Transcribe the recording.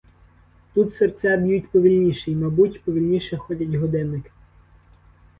Тут серця б'ють повільніше, й, мабуть, повільніше ходять годинники.